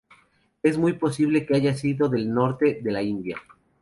Es muy posible que haya sido del norte de la India.